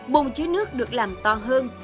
bồn chữa nước được làm to hơn